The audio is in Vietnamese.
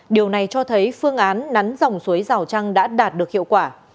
điều này cho thấy phương án nắn dòng suối rào trăng đã đạt được hiệu quả